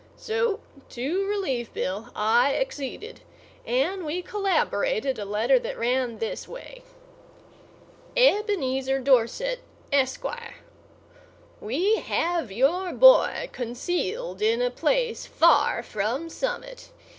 So, to relieve Bill, I acceded, and we collaborated a letter that ran this way: Ebenezer Dorset, Esq.: We have your boy concealed in a place far from Summit.